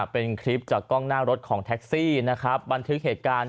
เป็นคลิปจากกล้องหน้ารถของแท็กซี่นะครับบันทึกเหตุการณ์